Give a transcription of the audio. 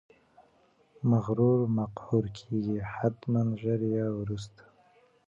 مغرور مقهور کیږي، حتمأ ژر یا وروسته!